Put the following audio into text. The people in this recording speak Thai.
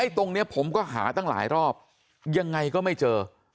ตรงนี้ผมก็หาตั้งหลายรอบยังไงก็ไม่เจอ